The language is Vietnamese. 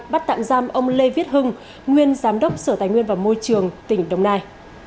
bắt tạm giam ông lê viết hưng nguyên giám đốc sở tài nguyên và môi trường tỉnh đồng nai